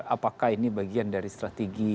apakah ini bagian dari strategi